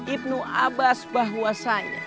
ibnu abbas bahwasanya